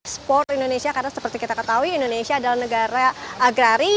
sport indonesia karena seperti kita ketahui indonesia adalah negara agrari